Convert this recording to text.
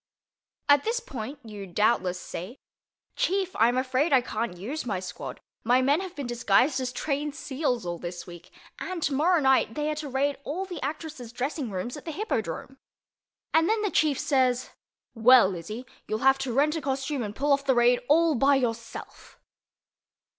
At this point you doubtless say, "Chief, I'm afraid I can't use my squad. My men have been disguised as trained seals all this week, and tomorrow night, they are to raid all the actresses' dressing rooms at the Hippodrome" and then the Chief says, "Well, Izzy, you'll have to rent a costume and pull off the raid all by yourself."